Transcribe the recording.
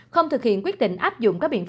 không thực hiện quyết định áp dụng các biện pháp